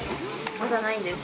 まだないです。